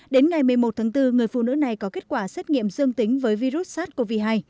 đến ngày một mươi một tháng bốn người phụ nữ này có kết quả xét nghiệm dương tính với virus sars cov hai